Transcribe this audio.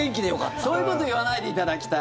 そういうこと言わないでいただきたい。